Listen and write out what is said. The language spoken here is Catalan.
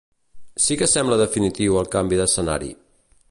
Sí que sembla definitiu el canvi d’escenari.